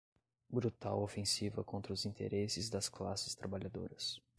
brutal ofensiva contra os interesses das classes trabalhadoras